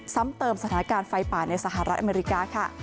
ซ้ำเติมสถานการณ์ไฟป่าในสหรัฐอเมริกาค่ะ